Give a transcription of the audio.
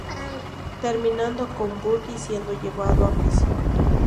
Terminando con Burke siendo llevado a prisión.